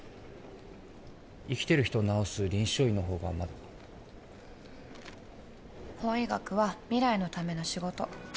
生きてる人を治す臨床医の方がまだ法医学は未来のための仕事